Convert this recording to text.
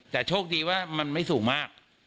แต่โชคดีว่ามันไม่สูงมาก